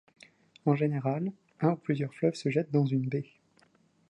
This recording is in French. En général, un ou plusieurs fleuves se jettent dans une baie.